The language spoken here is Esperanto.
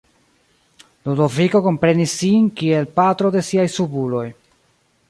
Ludoviko komprenis sin kiel "patro de siaj subuloj".